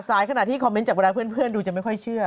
ขณะที่คอมเมนต์จากเวลาเพื่อนดูจะไม่ค่อยเชื่อ